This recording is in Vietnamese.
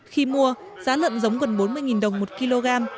khi mua giá lợn giống gần bốn mươi đồng một kg